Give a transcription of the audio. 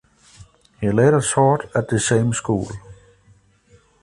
He later taught at the same school.